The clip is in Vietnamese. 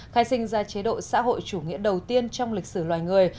khai sinh ra chế độ xã hội chủ nghĩa đầu tiên trong lịch sử loài người